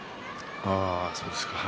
そうですか。